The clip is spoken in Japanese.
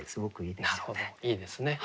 いいですね。